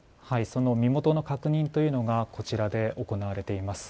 その身元の確認というのがこちらで行われています。